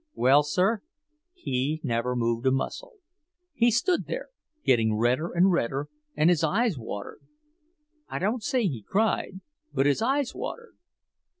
Well, sir, he never moved a muscle! He stood there getting redder and redder, and his eyes watered. I don't say he cried, but his eyes watered.